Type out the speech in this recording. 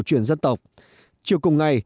truyền dân tộc chiều cùng ngày